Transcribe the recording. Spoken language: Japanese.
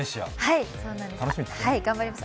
はい、頑張ります。